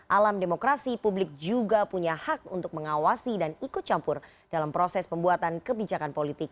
alam demokrasi publik juga punya hak untuk mengawasi dan ikut campur dalam proses pembuatan kebijakan politik